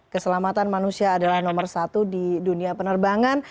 keselamatan manusia adalah nomor satu di dunia penerbangan